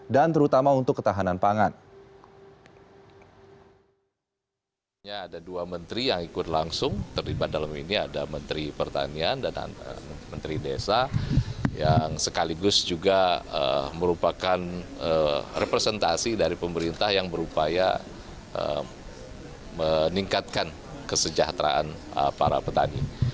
dan terutama untuk ketahanan pangan